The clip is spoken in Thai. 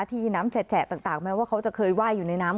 ที่น้ำแฉะต่างแม้ว่าเขาจะเคยไหว้อยู่ในน้ำ